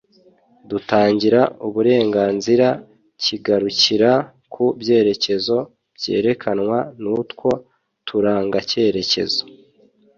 dutangira uburenganzira kigarukira ku byerekezo byerekanwa n’utwo turangacyerekezo